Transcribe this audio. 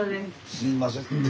すいませんね。